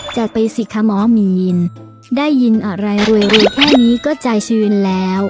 จัดไปสิคะหมอมีนได้ยินอะไรรวยแค่นี้ก็ใจชื้นแล้ว